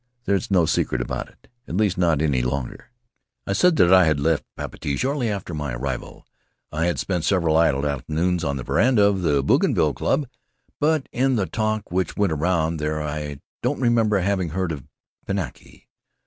There is no secret about it — at least not any longer." I said that I had left Papeete shortly after my arrival. I had spent several idle afternoons on the veranda of the Bougainville Club, but in the talk which went around there I didn't remember having heard of Pinaki.